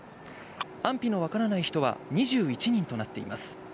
安否のわからない人は２１人となっています。